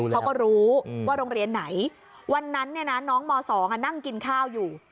เขาก็รู้ว่าโรงเรียนไหนวันนั้นน้องม๒นั่งกินข้าวอยู่